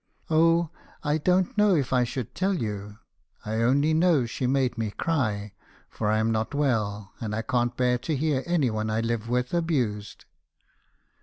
"'Oh, I don't know if I should tell you. I only know she made me cry; for I'm not well, and I can't bear to hear any one I live with abused.'